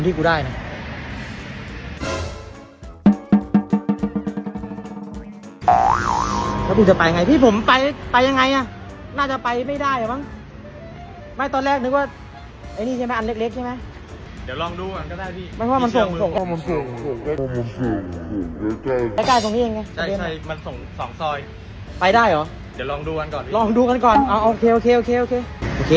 ไปได้อ๋อเดี๋ยวลองดูอันก่อนลองดูกันก่อนอ่าโอเคโอเคโอเคโอเค